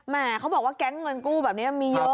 เขาบอกว่าแก๊งเงินกู้แบบนี้มีเยอะ